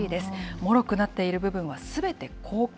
もろくなっている部分はすべて交換。